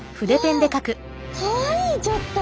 わあかわいいちょっと。